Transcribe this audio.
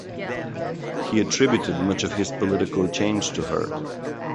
He attributed much of his political change to her.